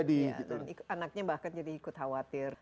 dan anaknya bahkan jadi ikut khawatir